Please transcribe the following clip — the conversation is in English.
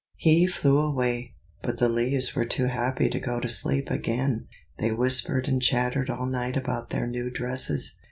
He flew away, but the leaves were too happy to go to sleep again. They whispered and chattered all night about their new dresses.